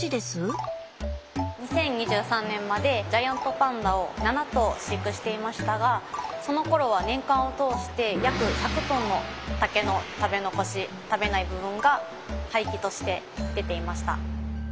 ２０２３年までジャイアントパンダを７頭飼育していましたがそのころは年間を通して約１００トンの竹の食べ残し食べない部分が廃棄として出ていました。